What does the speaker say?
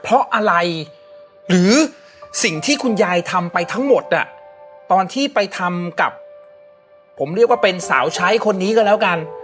เพราะอะไรหรือสิ่งที่คุณยายทำไปทั้งหมดตอนที่ไปทำกับผมเรียกว่าเป็นสาวใช้คนนี้ก็แล้วกัน